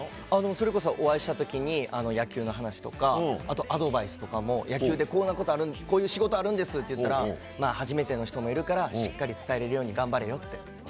それこそお会いしたときに、野球の話とか、あとアドバイスとかも、野球でこういう仕事あるんですって言ったら、まあ、初めての人もいるから、しっかり伝えれるように頑張れよって。